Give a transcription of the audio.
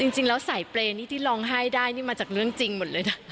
จริงแล้วสายเปรย์นี่ที่ร้องไห้ได้นี่มาจากเรื่องจริงหมดเลยนะ